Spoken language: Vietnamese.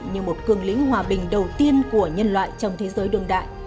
như một cường lĩnh hòa bình đầu tiên của nhân loại trong thế giới đương đại